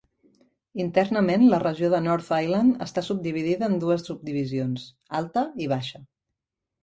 Internament, la regió de North Island està subdividida en dues subdivisions: Alta i Baixa.